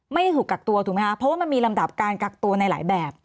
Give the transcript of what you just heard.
ไม่ถูกกักตัวถูกไหมคะเพราะว่ามันมีลำดับการกักตัวในหลายแบบ